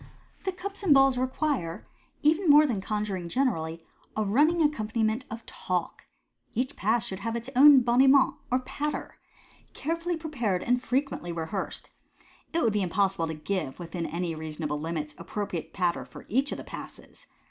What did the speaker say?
The cups and balls require, even more than conjuring generally, a running accompaniment of talk. Each Pass should have its own " boniment" or " patter," carefully prepared and frequently rehearsed. It would be impossible to give, within any reasonable limits, appro priate patter for each of the Passes.